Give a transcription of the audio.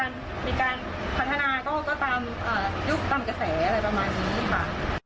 มีการพัฒนาก็ตามยุคตามกระแสอะไรประมาณนี้ค่ะ